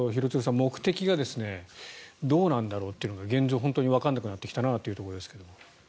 目的がどうなんだろうってのが現状、本当にわからなくなってきたなというところですが。